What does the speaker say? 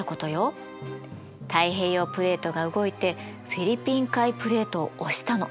太平洋プレートが動いてフィリピン海プレートを押したの。